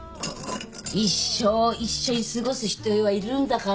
一生一緒に過ごす人がいるんだからって。